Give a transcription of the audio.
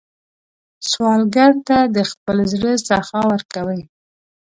سوالګر ته د خپل زړه سخا ورکوئ